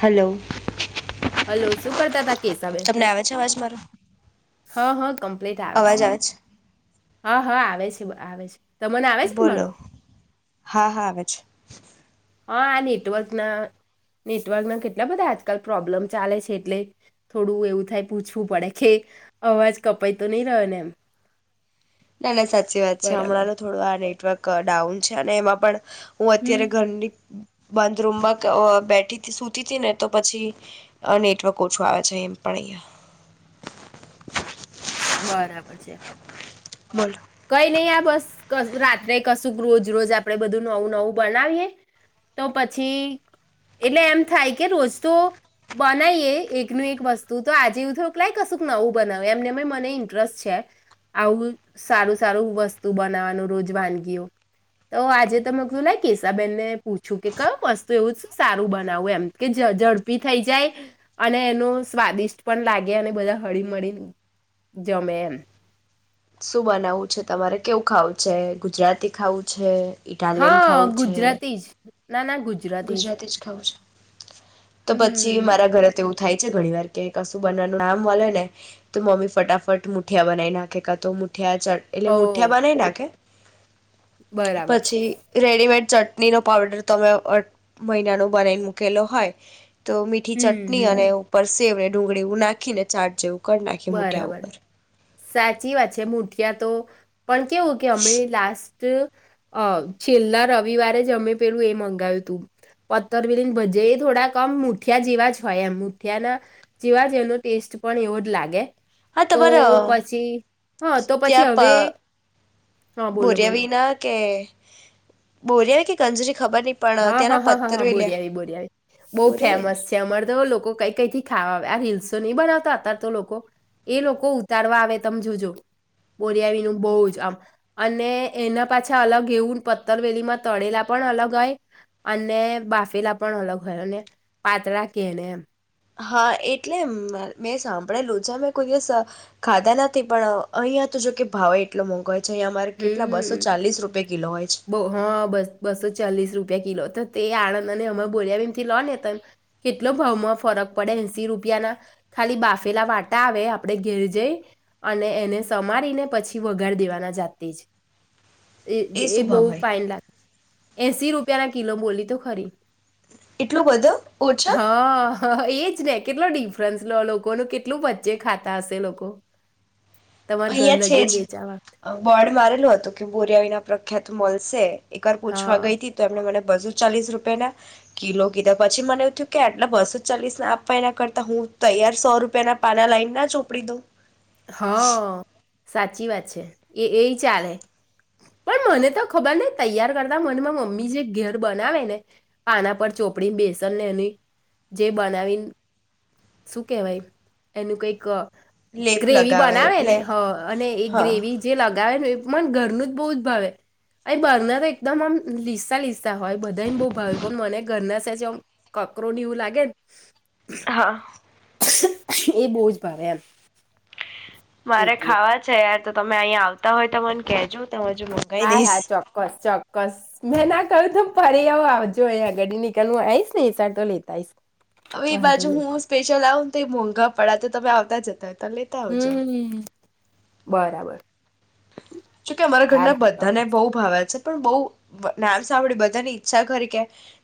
Hello. Hello શું કરતા હતા કેસાબેન? તમને આવે છે અવાજ મારો હા હા કમ આવે છે હ હ આવે આવે છે આવે છે. તમને ને બોલો મારો હા હા આવે છે. હા આ નેટવર્કના નેટવર્કના કેટલા બધા આજકાલ પ્રોબ્લેમ ચાલે છે એટલે થોડું એવું થાય પૂછવું પડે કે અવાજ કપાય તો નહી રહ્યો ને એમ. ના ના સાચી વાત છે બરાબર હણાં તો થોડું આ ન. નેટવર્ક ડાઉન છે અને એમાં પણ હું અત્યારે હમ ઘરની બંધ રૂમમાં ક અહ બેઠી સુતી તી ને તો પછી અહ નેટવર્ક ઓછું આવે છે એમ પણ અહીયાં. સ બરાબર છે. બોલ. કંઈ નહી આ બસ કશ રાત્રે કશુંક રોજ-રોજ આપણેે બધું નવું-નવું બનાવીએ, તો પછી એટલે એમ થાય કે રોજ તો બનાઈએ એકનું એક વસ્તુ, તો આજે એવું થયું લાઇ કશુંક નવું બનાવે એમનેમ એય મનેય ઇન્ટરેસ્ટ છે આવું સારું-સારું વસ્તુ બનાવવાનું રોજ વાનગીઓ. તો આજે તો મે કીધું લાઈ કેશાબેનને પૂછું કે કા વસ્તુ એવું શું સારું બનાવું એમ, કે ઝ ઝડપી થઈ જાય અને એનું સ્વાદિષ્ટ પણ લાગે, અને બધા હળીમળીન જમે એમ. શું બનાવું છે તમારે, કેવું ખાવું છે, ગુજરાતી ખાવું છે હા ગુજરાતી જ. ગુજરાતી જ ખાઉં છે. તો પછી હમ મારા ઘરે તે એવું થાય છે ઘણી વાર કે કશું બનવાનું નામ મલે ને તો મમ્મી ફટાફટ મુઠિયા બનાવી નાખે, કા તો મુ મુઠિયા ચડ એટલે હો મુઠિયા બનાઈ નાખે બરાબર પછી રેડીમેડ ચટણીનો પાવડર તમે [unintelligible] મહિના નું બનાઈને મૂકેલું હોય તો મીઠી હમ ચટણી અને હમ ઉપર સેવ ડુંગળી એવું નાખી ને ચાટ જેવું [unintelligible] નાખી મુઠીયા બરાબર ઉપર સાચી વાત છે મુઠિયા તો પણ કેવું કે અમે લાસ્ટ છેલ્લા રવિવારે જમે પેલું એ મંગાવ્યું તું પથથરવેલી ભજે એ થોડાકમ મુઠિયા જેવા જ હોય એમ મુઠિયા ના જેવા જ એનો ટેસ્ટ પણ એવો જ લાગે. [inaudible] હા તો તમારા પછી હા તો પછી હવે ત્યાં હા બોલો ભર્યા બોલો વિના કે બોરિયા કે ગંજરી હા હા હા હા હા બોરવી બોર્યાવી બહુ બોરિયાવી ને ફેમસ છે અમારે તો લોકો કઈ કઈથી ખાવા આવે આ રીલ્સો નહી બનાવતા અતાર તો લોકો એ લોકો ઉતારવા આવે તમે જોજો બોરિયાવી ન બહુ જ આમ અને એના પાછા અલગ એવું પત્તરવેલીમાં તળેલા પણ અલગ હોય. અને બાફીલા પણ અલગ હોય અને પાતળા કે ને એમ હા એટલે મેં સાંભળે લોજા મે કોઈ દિવસ ખાધા નથી પણ અહીયાં તો જો કે ભાવ એટલો મોંઘો છે અહીંયા અમારે કેટલા બસો હમ ચાલીસ રૂપિયા કિલો હોય છે બ હા બસ બસો ચાલીસ રૂપિયા કિલો હતો. તે આણંદ અને અમમે બોલ્યા એમથી લો નેતા કેટલો ભાવમાં ફરક પડે એસી રૂપિયા ના ખાલી બાફેલા વાટા આવે આપડણે ઘેર જઈ અને એને સમારીને પછી વગાડ દેવાના જાતા. તેજ એ એ શું ભાવ બહ હોય પાન લાગે. એસી રૂપિયા ના કિલો બોલી તો ખરી. એટલું બધું ઓછા હા, એ જ ને કેટલો ડિફરન્સ લોકોનું કેટલું વચ્ચે ખાતા હશે લોકો. તમારા ઘર અહિયાં છે, લગીને વેચાવા જ બોર્ડ મારેલુ હતું. તો કે બોરિયા વિના પ્રખ્યાત મલશે. એક વાર પૂછવા હા ગઈ તી તો એમને મને બસો ચાલીસ રૂપિયા ના કિલો કીધા, પછી મને એવું થયું કે, આટલા બસો ચાલીસ ના આપવા એના કરતા હું તૈયાર સો રૂપિયા ના પાના લાઈન ના ચોપડી દઉં. હા. સાચી વાત છે. એ એય ચાલે, પણ મને તો ખબર નહીં તૈયાર કરતા મન મા મમ્મી જે ઘેર બનાવે ને પાના પર ચોપડી બેસન ને એની, જે બનાવીન શું કહેવાય, એનું કઈક અહ લેપ ગ્રેવી લગાવે બનાવે એટલે ને હા, અને એ હા ગ્રેવી જે લગાવે ને એ મન ઘરનું જ બહુ જ ભાવે. અઈ બહાર તો એકદમ આમ લીસા લીસ સા હોય બધાને બહુ ભાવે પણ મને ઘરના જમ કકરુ ને એવું લાગેન હા. એ બોવ જ ભાવે એમ. [inaudible] મારે એટલે ખાવા છે યાર તો તમે અહીંયા આવતા હોય તો મન કેજો હા, હા, ચોક્કસ-ચોક્કસ. મેં ના કર્યું તો ફરી આવ આવજો અહીંયા [unintelligible] નીકલનું આઈશ ને એસાર તો લેતાઈશ. હવે એ બાજુ હું સ્પેશલ આવું ને તો એ મુરઘા પ પણા તો તમે આવતા જ હતા. જ ત લ ત આવજો. હમ બરાબર. જો કે અમારા હા ઘરના હા બધાને ચોક્કસ બહુ ભાવે છે. પણ બહ નામ સાંભળી બધાની ઈચ્છા કરી કે,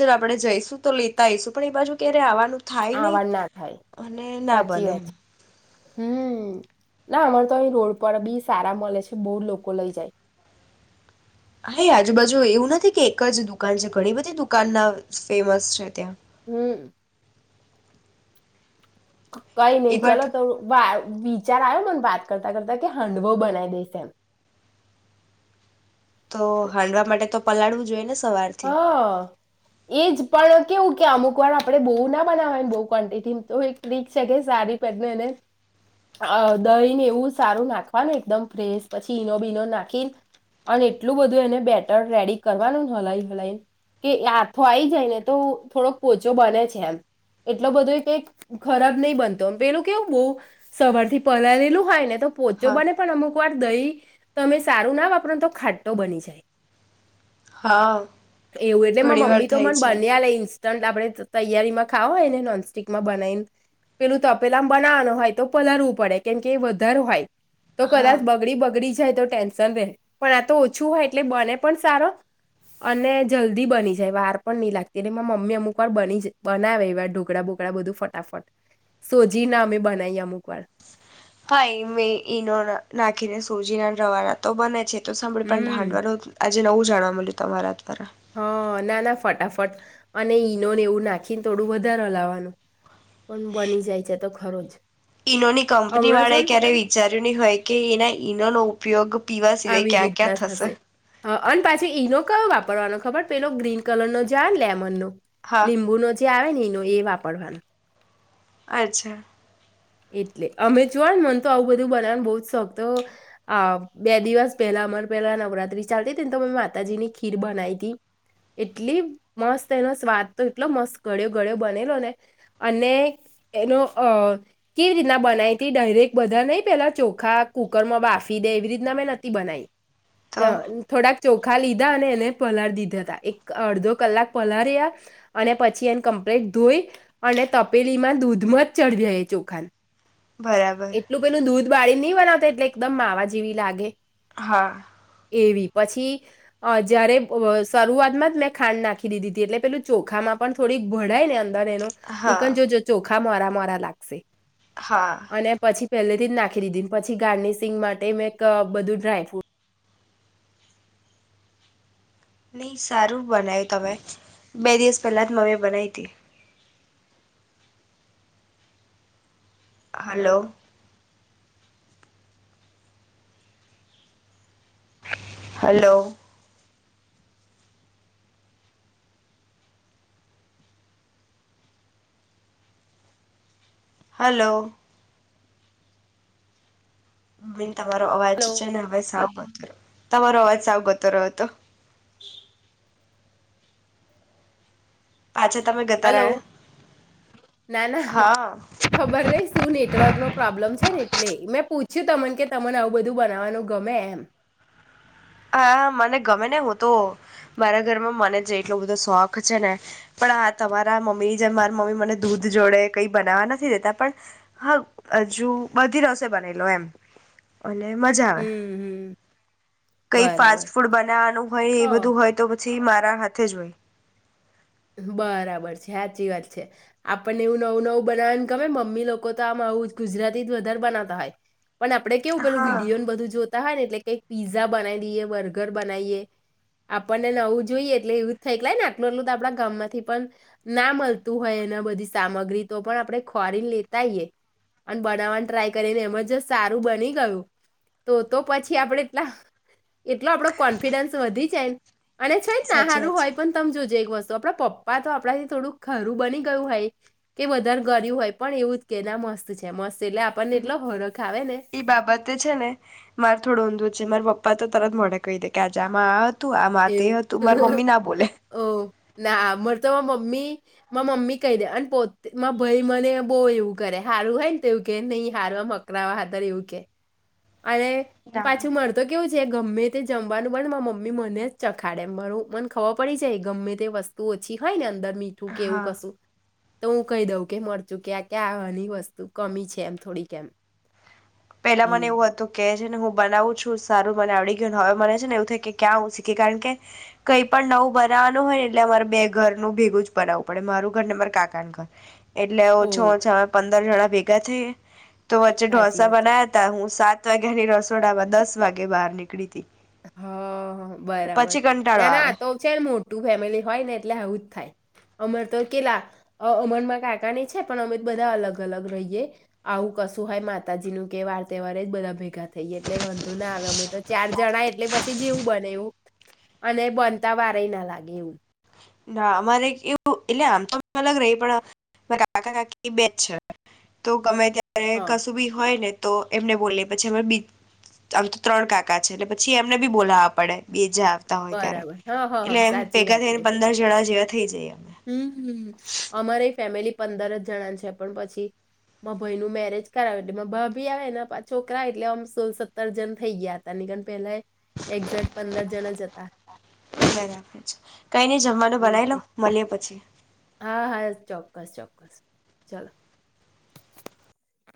ચાલ આપડે જઈશું. તો લેતા આવીઈશું પણ એ બાજુ ક્યારે આવવાનું. થાય ને આવાડ ના થાય અને ના બને એમ હમ્મ, ના અમારે તો અહી રોડ પર બી સારા મળે છે બહુ લોકો લઈ જાય. હા, આજુબાજુ એવું નથી. કે એક જ દુકાન છે. ઘણી બધી દુકાન ના ફેમસ છે. ત્યાં હમ્મ, કઈ એ નહી, બટ ચલો તો વા બ વિચાર આવ્યો. મને વાત કરતા કરતા કે હાંડવો બનાવી દેશે એમ તો હાડવા માટે તો પલાળવું જોઈએ. ને સવારથી. હા, એજ પણ કેવું કે, અમુક વાર આપડે બહુ ના બનાવાયને બહુ ક્વોન્ટિટી તો એક ટ્રીક છે. કે સારી પે એને દહીને એવું સારું નાખવાનું એકદમ ફ્રેશ પછી, ઈનો બીનો નાખી અને એટલું બધું એને બેટર રેડી કરવાનું હલાય કે હાથો આઈ જાય ને તો થોડોક પોચો બને છે. એમ એટલો બધો એ ક ખરાબ નહી, બનતો એમ પેલું કેવું બહ સવાર થી પલાયેલું હોય ને તો પ પોચો હા બને પણ અમુક વાર દહી તમે સારું ના વાપર તો ખાટો બની જાય. હા. એવું એટલે મા ઘણી વાર મમ્મી તો થાય મને છે બન્યા લઈ. આપણે તૈયારી માં ખાવવા હોય ને નોનસ્ટિકમાં બનાવીને પેલું તપેલા આ બનાવાનું હોય તો પલળવું પડે કેમકે વધારે હોય. તો હા. કદાચ બગડી બગડી જ. જ તો ટેન્શન ર પણ આ તો ઓછું હોય એટલે બને પણ સારો. અને જલ્દી બની જાય વાર પણ નહી લાગતી એટલે મમ્મી અમુક વાર બ બનાવે એ વાર ઢોકળા બોગળા બધું ફટાફટ સોજી ના અમે બનાવીએ અમુક વાર. ભાઈ મે ઈનો નાખીને સુજીના રવાડા તો બને છે. ત આપ ભડંડ હમ વા આજ નવું જાણવા મળ્યું તમારા દ્વારા. હ ના ના ફટાફટ અને ઈનોને એવું નાખીને થોડું વધારે લાવવાનું. પણ બની જાય છે તો. ખરોચ. ઈનોની કંપની વાળા ક્યારે વિચાર્યું ન હોય કે એના ઈનોનો ઉપયોગ પીવા સિવાય આવી ક્યાં રીતના ક્યાં થશે હ અને પાછી ઈનો કયો વાપરવાનો. ખબર પેલો ગ્રીન કલર નો જાય લેમનનો. હા લીંબુ નજી આવે ની નું એ વાપરવાનું. અચ્છા. એટલે અમે જો ને મને તો આવું બધું બનાવવાનો બહ જ શોખ તો બે દિવસ પેલા અમારે પેલા નવરાત્રી ચાલતી ને તો મે માતાજીની ખીર બનાવી હતીી એટલી મસ્ત એનો સ્વાદ તો એટલો મસ્ત ગળ્યો ગળ્યો બનેલો ને અને એનો અ કેવી રીતના બનાવીતી ડાયરેક્ટ બધા નહ પેલા ચોખા કુકરમાં બાફી દે એવી રીતના મેં નથી બનાવી. હ તો થોડા ચોખા લીધા અને એને પલળી દીધા હતા એક અડધો કલાક પલળ્યા અને પછી એને કમ્પ્લીટ ધોઈ અને તપેલીમાં દૂધમાં જ ચઢ્યા એ ચોખાને બરાબર. બાળી નહી બનાવતા એટલે એકદમ માવા જેવી લાગે. હા. એવી પછી જયારે શરૂઆતમાં જ મેં ખાંડ નાખી દીધી હતી એટલે પેલું ચોખામાં પણ થોડીક ભડાય નેર એનું નિકન હા જો ચોખા મારા મરા લાગશે. હા. અને પછી પહેલેથી જ નાખી દીધી પછી ગાર્નિશિંગ માટે મેં એક બધું ડ્રાયફ્રૂટ નહી સારું બનાવ્યું તમે બે દિવસ પહેલા જ મમે બનાય હતી. હલો. હલો. હલો. હી તમારો અવાજ હલો છે ને હવે સા કરો. તમારો અવાજ સાવગતો રહ્યો હતો. પાછા તમે ગતા હલો રહ્યા ના ના હા ખબર નહી શું નેટવર્ક નો પ્રોબ્લેમ છે ને. લઈ મેં પૂછ્યું તમને કે તમને આવું બધું બનાવવાનું ગમે એમ. હા મને ગમે ને હું તો મારા ઘરમાં મને જે એટલો બધો શોખ છે ને પણ હા તમારા મમ્મી જેમ મારા મમ્મી મને દૂધ જોડે કઈ બનાવવા નથી દેતા પણ હા હજુ બધી રસે બના લો એમ અને મજા આવે. હમ હમ કઈ બરાબર ફાસ્ટ ફૂડ બનાવવાનું હોય એ હ બધું હોય તો પછી મારા હાથે જ હોય. બરાબર છે સાચી વાત છે. આપણને એવું નવું નવું બનાવેને ગમે મમ્મી લોકો તો આ ગુજરાતી જ વધારે બનાવતા હોય. પણ આપડે કેવું પેલું હા વિડીયો ને બધું જોતા હોય ને એટલે કઈક પીઝા બનાવી દઈએ બર્ગર બનાવીએ આપણને નવું જોઈએ એટલે એવું જ થાય કે આટલું આટલું આપડા ગામમાંથી પણ ના મળતું હોય એના બધી સામગ્રી તો પણ આપણે ખોરીને લેતાઈયએ અને બનાવવાની ટ્રાય કરીને એમાં જો સારું બની ગયું તો પછી આપણે એટ એટલો આપડો કોન્ફિડન્સ વધી જાય. અને છે ન ના સાચી સારું વાત હોય છે તો તમે જોજો એક વસ્તુ તો આપડા પપ્પા તો આપડા થી થોડું ખારું બની ગયું હોય કે વધારે ગળ્યું હોય પણ એવું જ કેય મસ્ત છે મસ્ત એટલે આપણને એટલો હરખ આવે ને ઈ બાબત છે ને માર થોડુ ઊંધૂ છે માર પપ્પા પપ્પા તો તરત મોઢે કહી દે કે આજે આમા આ તું આમાં તે હતું એવું માર મમ્મી ના બોલે. ઓહ! ના મારે તો મમ્મી માર મમ્મી કહી દે અને પોત માર ભાઈ મને બોવ એવું કરે હારું હોય ને તો એવું કે નહી હારૂ અકરાવા હારૂ એવું કે અરે પાછું મડ તો કેવું છે? ગમે તે જમવાનું બને માર મમ્મી મને જ ચખાડે. મને ખબર પડી જાય ગમે તે વસ્તુ ઓછી હોય નેં તો દર મીઠું કે એવું હા કસું? તો હું કહી દઉં કે મરચું કે ક્યાં ક્યાંની વસ્તુ કમી છે એમ થોડીક એમ પેલા મને એવું હતું કે છે ને હું બનાવું છું સારું મને આવડી ગયું. હવે મને છે ને એવું થાય કે ક્યાં હું શીખી કારણ કે કઈ પણ નવું બનાવાનું હોય ને એટલે અમારે બે ઘર નું ભેગું જ બનાવું પડે મારું ઘર ને, મારે કાકાનું ઘર. એટલે ઓછો ઓહ! ઓછો પંદ પંદર જણા ભેગા થય. તો વચે ઢોસ સાચી વાત. બના્યા તા હું સાત વાગાની રસોડામાં દસ વાગે બહાર નીકળી તી. હા અ બરાબર પછી કંટાળો ના ના આવે આ તો છે ને મોટું ફેમિલી હોય ને એટલે આવું જ થાય. અમે તો કેલા અમર માં કાકાની છે પણ અમે બધા અલગ અલગ રહીએ. આવું કશું હોય માતાજી નું કે, વાર તહેવારે બધા ભેગા થઈએ એટલે વાંધો ના આવે અમે તો ચાર જણાય એટલે પછી જેવું બને એવું અને બનતા વારેય ના લાગે એવું ના અમારે એવું એટલે આમ તો અલગ રહી પણ કાકા કાકી બે છે તો ગમે ત્યા ત્યારે હા કશું બી હોય ને તો એમને બોલ્યે પછી અ આમ તો ત્રણ કાકા છે એટલે પછી એમને બી બોલાવા પડે બીજા બરાબર હા હ હા સાચી વાત થઈને છે. પંદર જણા જેવા થઈ જઈએ અમે હમમ અમારે ફેમિલી પંદર જ જણા છે પણ પછી મા ભાઈ નું મેરેજ કરાવે એટલે ભાભી આવેને છોકરા એટલે અમ સોલ સત્તર જણ થઈ ગયા હતા ની કય પેલા યે હા રાખે છે. કારણકે જમ જમવાનું બનાય લો એટલે. મળીએ પછી હા હા ચોક્કસ ચોક્કસ ચલો.